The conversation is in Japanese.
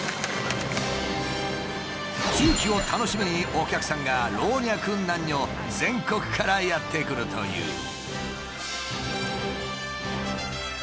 重機を楽しみにお客さんが老若男女全国からやって来るという。